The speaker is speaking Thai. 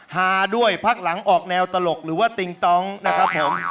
หาด้วยพักหลังออกแนวตลกหรือว่าติ๊งต้องนะครับผม